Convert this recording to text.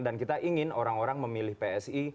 dan kita ingin orang orang memilih psi